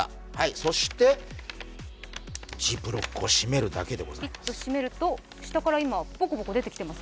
そしてジプロックを閉めるだけでございます。